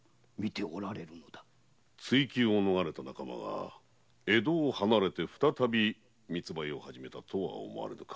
追及を逃れた仲間が江戸を離れて再び密売を始めたと思われぬか？